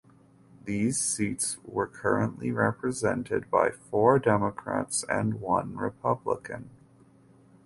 These seats were currently represented by four Democrats and one Republican.